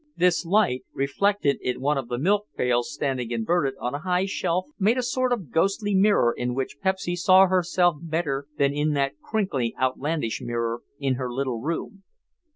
This light, reflected in one of the milk pails standing inverted on a high shelf, made a sort of ghostly mirror in which Pepsy saw herself better than in that crinkly, outlandish mirror in her little room.